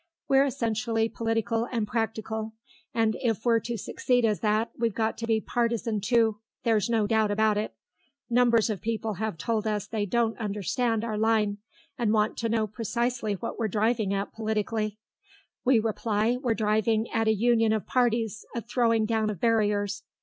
We're essentially political and practical, and if we're to succeed as that, we've got to be partisan too, there's no doubt about it. Numbers of people have told us they don't understand our line, and want to know precisely what we're driving at politically. We reply we're driving at a union of parties, a throwing down of barriers.